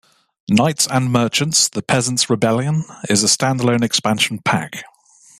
"Knights and Merchants: The Peasants Rebellion" is a standalone expansion pack.